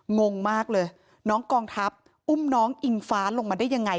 งงมากเลยน้องกองทัพอุ้มน้องอิงฟ้าลงมาได้ยังไง